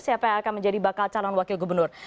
siapa yang akan menjadi bakal calon wakil gubernur